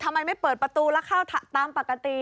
ทำไมไม่เปิดประตูแล้วเข้าตามปกติ